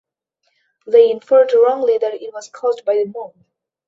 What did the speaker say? They inferred wrongly that it was caused by the moon.